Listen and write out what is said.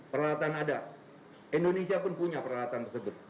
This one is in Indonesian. peralatan ada indonesia pun punya peralatan tersebut